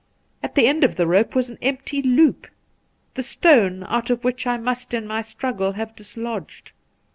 At the end of the rope was an empty loop, the stone out of which I must in my struggle have dislodged.